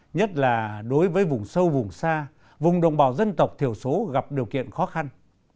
nhất là đối với vùng sâu vùng xa vùng đồng bào dân tộc thiểu số gặp điều kiện khó khăn